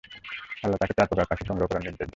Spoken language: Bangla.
আল্লাহ্ তাকে চার প্রকার পাখি সংগ্রহ করার নির্দেশ দেন।